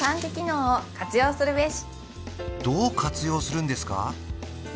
どう活用するんですか？